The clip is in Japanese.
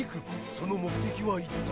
その目的は一体。